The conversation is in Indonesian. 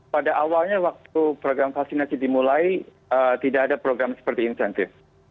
pada awalnya waktu program vaksinasi dimulai tidak ada program seperti insentif